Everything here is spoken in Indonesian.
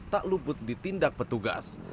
tak luput ditindak petugas